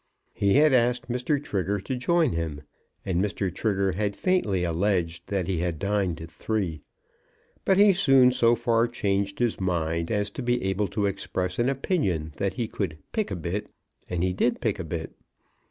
He had asked Mr. Trigger to join him, and Mr. Trigger had faintly alleged that he had dined at three; but he soon so far changed his mind as to be able to express an opinion that he could "pick a bit," and he did pick a bit.